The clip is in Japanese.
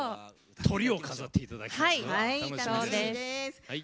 トリを飾っていただきますから。